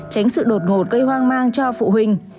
tránh sự đột ngột gây hoang mang cho phụ huynh